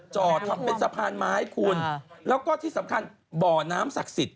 จอดทำเป็นสะพานไม้คุณแล้วก็ที่สำคัญบ่อน้ำศักดิ์สิทธิ